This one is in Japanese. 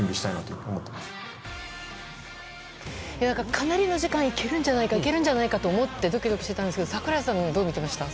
かなりの時間いけるんじゃないかと思ってドキドキしていたんですけど櫻井さんはどう見ていましたか。